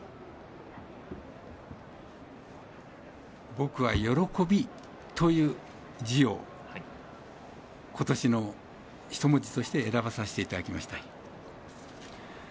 僕は「喜」という字を今年の一文字として選ばさせていただきました。